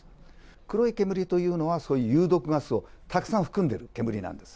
黒い煙というのは、そういう有毒ガスをたくさん含んでる煙なんです。